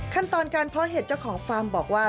ขั้นตอนการเพาะเห็ดเจ้าของฟาร์มบอกว่า